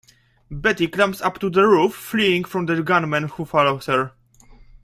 Betty climbs up to the roof, fleeing from the gunman who follows her.